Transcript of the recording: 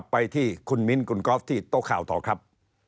ไปที่คุณมิ้นคุณกอล์ฟที่โต๊ะข่าวต่อครับ